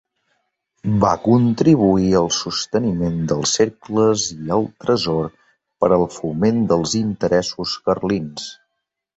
Va contribuir al sosteniment dels cercles i al tresor per al foment dels interessos carlins.